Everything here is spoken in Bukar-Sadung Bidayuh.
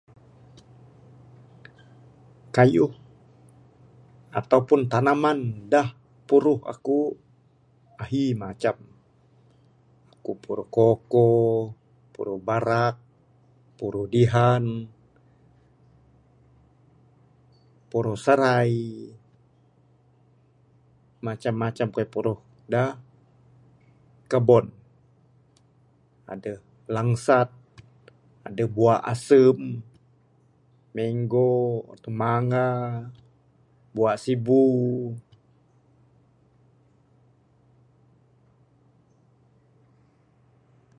Keyuh ataupun tanaman dak puruh aku ahi macam, ku puruh koko, puruh barak, puruh dihan, puruh serai, macam macam keyuh puruh ku dak kebun. Adeh langsat, adeh bua asem, mango atau manga, bua sibu.